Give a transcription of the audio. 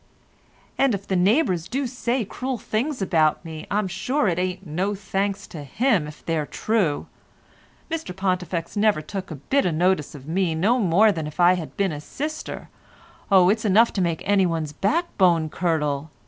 "And if the neighbours do say cruel things about me, I'm sure it ain't no thanks to him if they're true. Mr Pontifex never took a bit o' notice of me no more than if I had been his sister. Oh, it's enough to make anyone's back bone curdle.